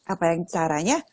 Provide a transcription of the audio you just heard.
apa yang caranya